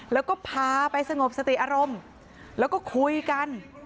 แล้วก็พาไปสงบสติอารมณ์แล้วก็คุยกัน